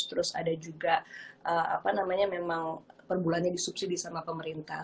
terus ada juga apa namanya memang perbulannya disubsidi sama pemerintah